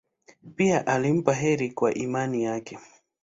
Pia alimpa heri kwa imani yake.